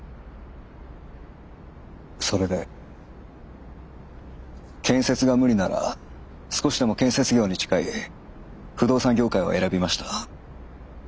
それで建設が無理なら少しでも建設業に近い不動産業界を選びました。